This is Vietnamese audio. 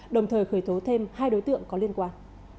đồng thời khởi tố thêm hai đối tượng có liên quan